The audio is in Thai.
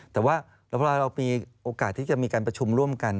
แต่ว่าเราพอมีโอกาสได้จะมามีการประชุมร่วมกัน